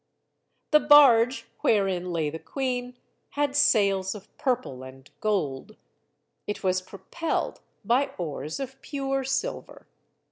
The barge, wherein lay the queen, had sails of pur ple and gold. It was propelled by oars of pure silver.